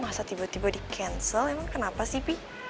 masa tiba tiba di cancel emang kenapa sih pi